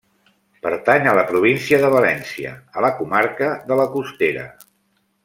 Pertany a la Província de València, a la comarca de La Costera.